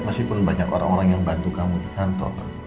masih pun banyak orang orang yang bantu kamu di kantor